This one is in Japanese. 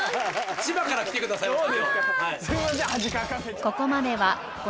千葉から来てくださいました。